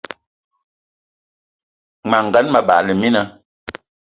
Mas gan, me bagla mina